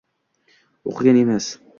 o’qigan emas.